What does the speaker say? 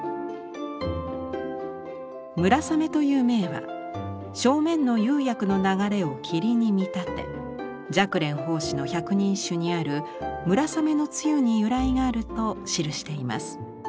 「村雨」という銘は正面の釉薬の流れを霧に見立て寂蓮法師の百人一首にある「村雨の露」に由来があると記しています。